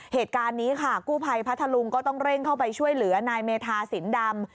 เหตุการณ์นี้ค่ะกู้ภัยพัทธลุงก็ต้องเร่งเข้าไปช่วยเหลือนายเมธาสินดำ